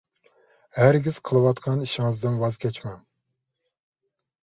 ھەرگىز قىلىۋاتقان ئىشىڭىزدىن ۋاز كەچمەڭ.